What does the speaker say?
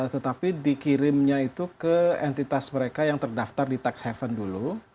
tetapi dikirimnya itu ke entitas mereka yang terdaftar di tax haven dulu